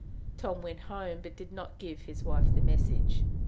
Tom went home, but did not give his wife the message.